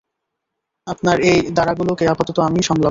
আপনার এই দাঁড়াগুলোকে আপাতত আমিই সামলাবো।